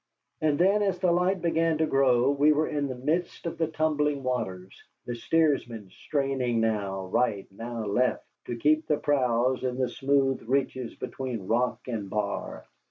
And then, as the light began to grow, we were in the midst of the tumbling waters, the steersmen straining now right, now left, to keep the prows in the smooth reaches between rock and bar.